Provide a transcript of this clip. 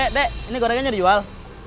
nay nay ini gorengnya dijual